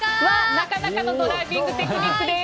なかなかのドライビングテクニックです。